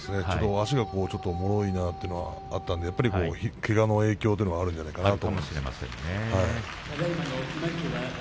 足がちょっともろいなというのがあったのでやっぱりけがの影響というのがあるんじゃないかと思います。